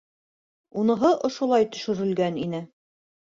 Уныһы ошолай төшөрөлгән ине: